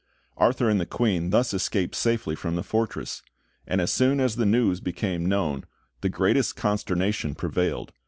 Arthur and the Queen thus escaped safely from the fortress; and as soon as the news became known, the greatest consternation prevailed.